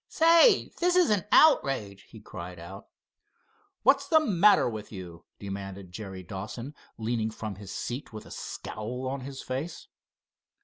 "Say, this is an outrage!" he cried out. "What's the matter with you?" demanded Jerry Dawson, leaning from his seat with a scowl on his face.